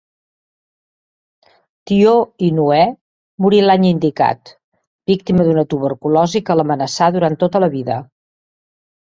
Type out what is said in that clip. Tió i Noé morí l'any indicat, víctima d'una tuberculosi que l'amenaçà durant tota la vida.